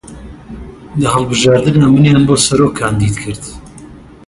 لە هەڵبژاردنا منیان بۆ سەرۆک کاندید کرد